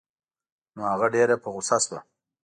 نو هغه ډېره په غوسه شوه.